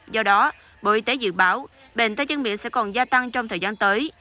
do đó bộ y tế dự báo bệnh tay chân miệng sẽ còn gia tăng trong thời gian tới